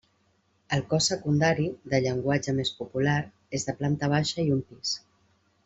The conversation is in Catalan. El cos secundari, de llenguatge més popular, és de planta baixa i un pis.